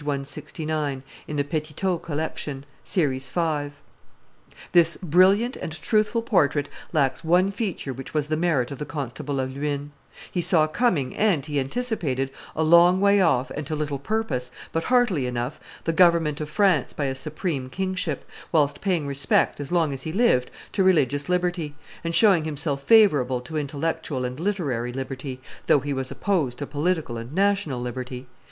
169, in the Petitot Collection, Series v., t. xxii.] This brilliant and truthful portrait lacks one feature which was the merit of the Constable de Luynes: he saw coming, and he anticipated, a long way off and to little purpose, but heartily enough, the government of France by a supreme kingship, whilst paying respect, as long as he lived, to religious liberty, and showing himself favorable to intellectual and literary liberty, though he was opposed to political and national liberty.